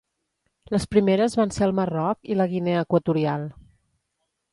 Les primeres van ser al Marroc i la Guinea Equatorial.